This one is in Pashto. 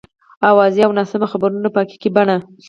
اوازې او ناسم خبرونه په حقیقي بڼه.